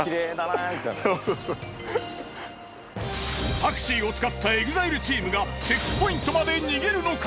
タクシーを使ったＥＸＩＬＥチームがチェックポイントまで逃げるのか？